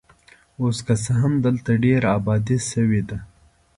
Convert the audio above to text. اوس که څه هم دلته ډېره ابادي شوې ده.